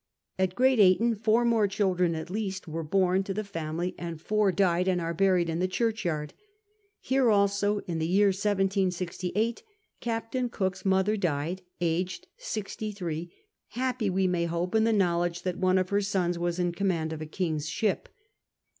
At Great Ayton four more children at least were bom to the family, and four died and are buried in the churchyard. Here also, in the year 1768, Captain Cook's mother died, aged sixty three years, < happy, we may hope, in the knowledge that one of her sons was in command of a king's ship.